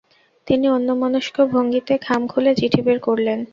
তিনি অন্যমনস্ক ভঙ্গিতে খাম, খুলে চিঠি বের করলেন।